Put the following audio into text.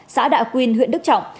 xã đạ quyên huyện đức trọng